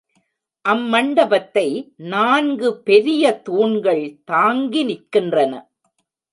அம்மண்டபத்தை நான்கு பெரிய தூண்கள் தாங்கி நிற்கின்றன.